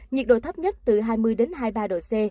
nhiệt độ thấp nhất từ hai mươi đến hai mươi ba độ c